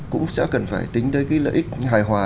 cũng sẽ cần phải tính tới cái lợi ích hài hòa